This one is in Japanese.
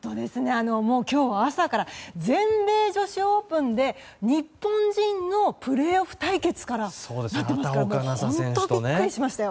今日は朝から全米女子オープンで日本人のプレーオフ対決からなっていますから本当にビックリしましたよ。